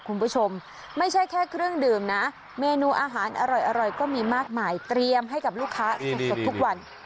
คุณผู้ชมไม่ใช่แค่เครื่องดื่มนะเมนูอาหารอร่อยก็มีมากมายเตรียมให้กับลูกค้าสดทุกวัน